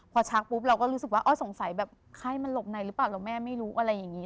พอชักปุ๊บเราก็รู้สึกว่าสงสัยแบบไข้มันหลบในหรือเปล่าแล้วแม่ไม่รู้อะไรอย่างนี้